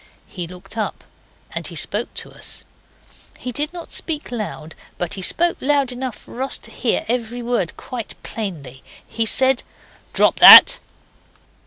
He looked up and he spoke to us. He did not speak loud, but he spoke loud enough for us to hear every word quite plainly. He said 'Drop that.